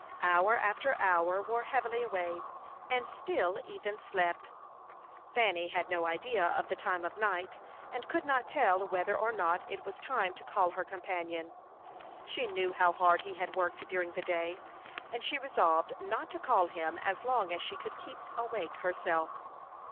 Hour after hour wore heavily away, and still Ethan slept. Fanny had no idea of the time of night, and could not tell whether or not it was time to call her companion. She knew how hard he had worked during the day, and she resolved not to call him as long as she could keep awake herself.